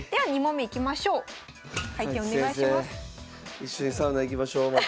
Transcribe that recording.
一緒にサウナ行きましょうまた。